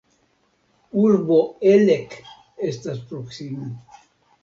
Urbo Elek estas proksime.